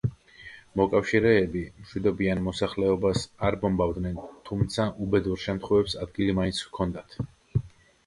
მოკავშირეები მშვიდობიან მოსახლეობას არ ბომბავდნენ, თუმცა უბედურ შემთხვევებს ადგილი მაინც ჰქონდათ.